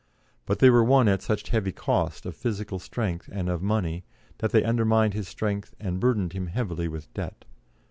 But they were won at such heavy cost of physical strength and of money, that they undermined his strength and burdened him heavily with debt.